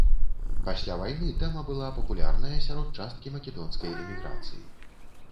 Пасля вайны тэма была папулярная сярод часткі македонскай эміграцыі.